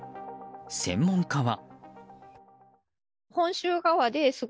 専門家は。